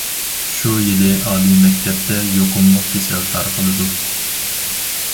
شۇ يىلى ئالىي مەكتەپتە يۇقۇملۇق كېسەل تارقىلىدۇ.